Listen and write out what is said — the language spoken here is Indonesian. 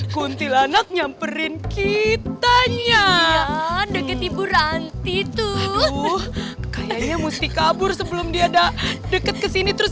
kuntilanak nyamperin kitanya deket ibu ranti tuh kayaknya mesti kabur sebelum dia ada dekat kesini terus